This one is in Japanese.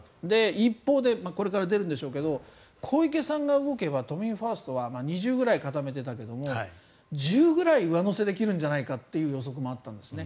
一方でこれから出るんでしょうが小池さんが動けば都民ファーストは２０ぐらい固めてたけど１０ぐらい上乗せできるんじゃないかという予測もあったんですね。